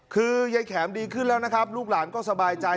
คือยายแข็มดีขึ้นแล้วนะครับลูกหลานก็สบายใจ